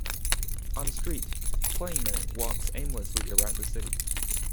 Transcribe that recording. On the street, Kleinman walks aimlessly around the city.